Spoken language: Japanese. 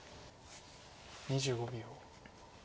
２５秒。